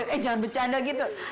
eh jangan bercanda gitu